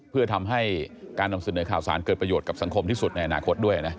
เพื่อทำให้การนำเสนอข่าวสารเกิดประโยชน์กับสังคมที่สุดในอนาคตด้วยนะ